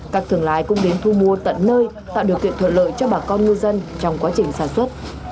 các thường lái cũng đến thu mua tận nơi tạo điều kiện thuận lợi cho bà con ngư dân trong quá trình sản xuất